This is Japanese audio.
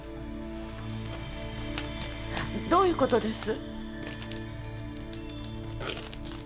どういう事です？